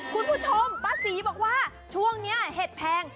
คุณผู้ชมป้าศรีบอกว่าช่วงนี้เห็ดแพง